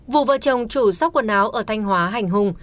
vụ vợ chồng chủ sóc quần áo ở thanh hóa hành hùng